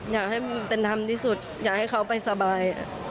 อยากให้มันเป็นธรรมที่สุดอยากให้เขาไปสบาย